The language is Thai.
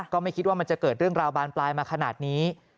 ก็ไม่คิดว่ามันจะเกิดเรื่องราวบานปลายมาขนาดนี้